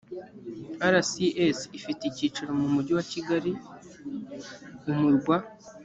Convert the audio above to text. rcs ifite icyicaro mu mujyi wa kigali umurwa